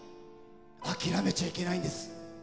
諦めちゃいけないんです。